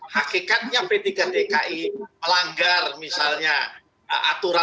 hakikatnya p tiga dki melanggar misalnya aturan partai atau biju tim partai